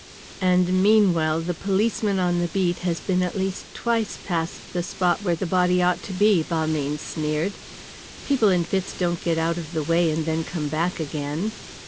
"And meanwhile the policeman on the beat has been at least twice past the spot where the body ought to be," Balmayne sneered. "People in fits don't get out of the way and then come back again."